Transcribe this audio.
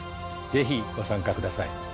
ぜひご参加ください。